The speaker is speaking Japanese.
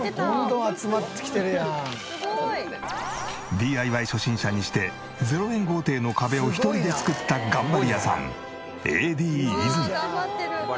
ＤＩＹ初心者にして０円豪邸の壁を１人で作った頑張り屋さんＡＤ泉。